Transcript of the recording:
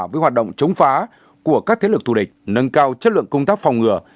với hoạt động chống phá của các thế lực thù địch nâng cao chất lượng công tác phòng ngừa